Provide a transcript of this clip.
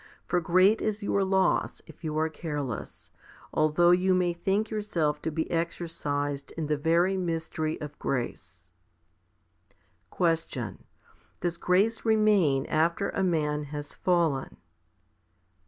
For great is your loss if you are careless, although you may think yourself to be exercised in the very mystery of grace. 17. Question. Does grace remain after a man has fallen?